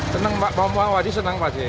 senang pak mau mau haji senang pak haji